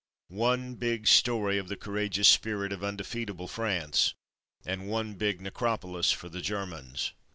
One big story of the courageous spirit of undefeatable France, and one big necropolis for the Germans.